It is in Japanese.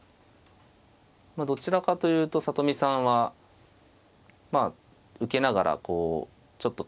どちらかというと里見さんはまあ受けながらこうちょっと得を目指していくような。